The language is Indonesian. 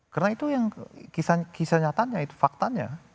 karena itu yang kisah nyatanya faktanya